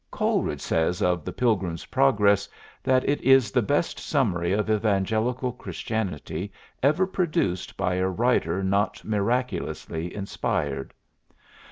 Coleridge says of the "Pilgrim's Progress" that it is the best summary of evangelical Christianity ever produced by a writer not miraculously inspired.